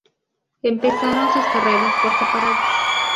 Empezaron sus carreras por separado.